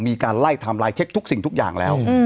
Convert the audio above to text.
มีการไล่ทำลายเช็คทุกสิ่งทุกอย่างแล้ว